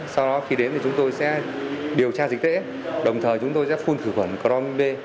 sau đó khi đến thì chúng tôi sẽ điều tra dịch tễ đồng thời chúng tôi sẽ phun thử khuẩn cronb